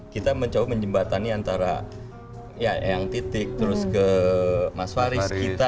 kita mencoba menjembatani antara yang titik terus ke mas faris